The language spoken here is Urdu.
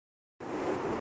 دماغی امراض کا ب